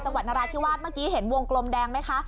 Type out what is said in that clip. นราธิวาสเมื่อกี้เห็นวงกลมแดงไหมคะ